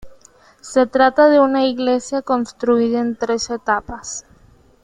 Se trata de una iglesia construida en tres etapas.